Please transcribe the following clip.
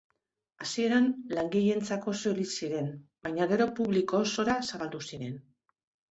Hasieran langileentzako soilik ziren baina gero publiko osora zabaldu ziren.